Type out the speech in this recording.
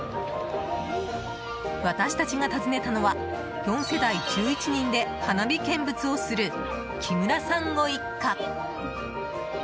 私たちが訪ねたのは４世代、１１人で花火見物をする木村さんご一家。